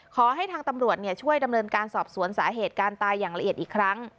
ขอให้ทางตำรวจช่วยดำเนินการสอบสวนสาเหตุการตายอย่างละเอียดอีกครั้ง